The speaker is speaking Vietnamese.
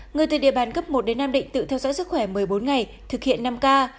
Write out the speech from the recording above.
người từ địa bàn cấp một đến nam định tự theo dõi sức khỏe một mươi bốn ngày thực hiện năm k